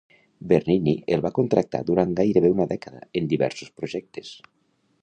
Bernini el va contractar durant gairebé una dècada en diversos projectes.